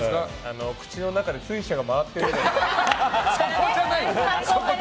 口の中で水車が回ってるみたいだ。